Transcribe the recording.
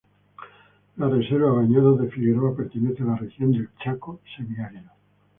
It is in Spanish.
La reserva Bañados de Figueroa pertenece a la región del chaco semiárido.